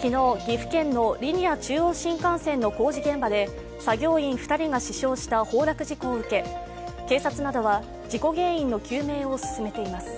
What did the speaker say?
昨日、岐阜県のリニア中央新幹線の工事現場で作業員２人が死傷した崩落事故を受け警察などは、事故原因の究明を進めています。